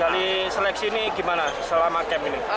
dari seleksi ini gimana selama camp ini